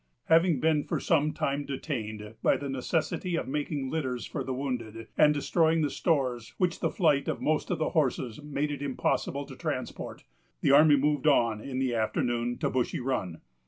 Having been for some time detained by the necessity of making litters for the wounded, and destroying the stores which the flight of most of the horses made it impossible to transport, the army moved on, in the afternoon, to Bushy Run.